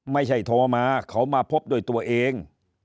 ไม่ใช่โทรมาเขามาพบด้วยตัวเอง